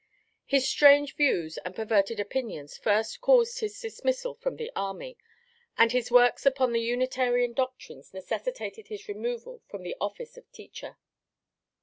His strange views and perverted opinions first caused his dismissal from the army, and his works upon the Unitarian doctrines necessitated his removal from the office of teacher.